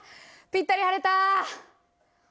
ぴったり貼れた。